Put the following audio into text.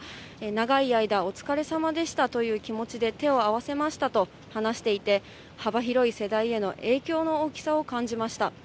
長い間、お疲れさまでしたという気持ちで手を合わせましたと話していて、幅広い世代への影響の大きさを感じました。